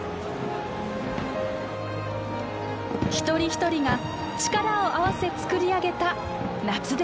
一人一人が力を合わせ作り上げた夏でした。